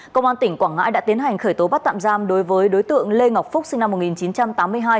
công an tỉnh quảng ngãi đã tiến hành khởi tố bắt tạm giam đối với đối tượng lê ngọc phúc sinh năm một nghìn chín trăm tám mươi hai